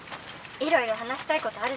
いろいろ話したいことあるし」。